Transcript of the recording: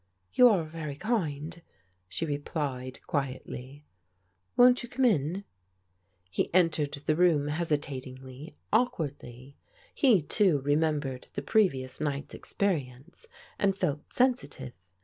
"You are very kind," she replied quietly. "Won't you come in ?" He entered the room hesitatingly, awkwardly. He, too, remembered the previous night's experience, and felt sensitive.